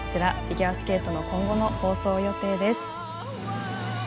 フィギュアスケートの今後の放送予定です。